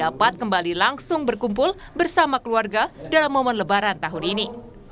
dapat kembali langsung berkumpul bersama keluarga dalam momen lebaran tahun ini